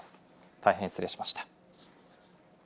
大変失礼しました。